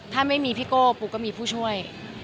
ถ้าไม่มีพี่โก้ปูก็มีผู้ช่วย